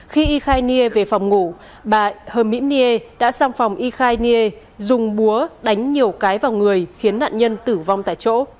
khi y khai nghê về phòng ngủ bà hờ mỹ nghê đã sang phòng y khai nghê dùng búa đánh nhiều cái vào người khiến nạn nhân tử vong tại chỗ